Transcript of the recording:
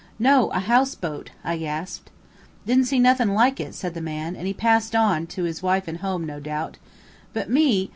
"No, a house boat," I gasped. "Didn't see nuthin' like it," said the man, and he passed on, to his wife and home, no doubt. But me!